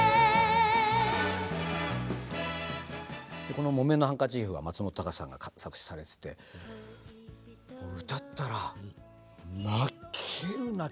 この「木綿のハンカチーフ」が松本隆さんが作詞されててもう歌ったら泣ける泣ける。